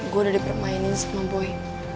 gue udah dipermainin sama boeing